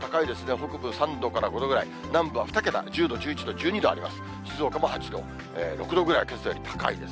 北部３度から５度ぐらい、南部は２桁、１０度、１１度、１２度あります。